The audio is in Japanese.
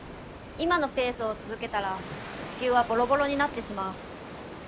今のペースを続けたら地球はボロボロになってしまう。